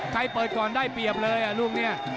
ใครเปิดก่อนได้เปรียบเลยลูกนี้